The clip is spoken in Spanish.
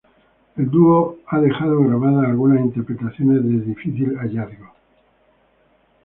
El dúo han dejado grabadas algunas interpretaciones de difícil hallazgo.